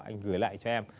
anh gửi lại cho em